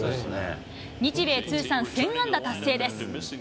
日米通算１０００安打達成です。